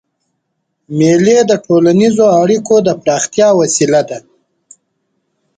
مېلې د ټولنیزو اړیکو د پراختیا وسیله ده.